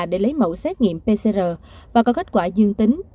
để lấy mẫu xét nghiệm pcr và có kết quả dương tính